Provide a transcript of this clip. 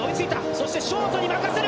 そしてショートに任せる。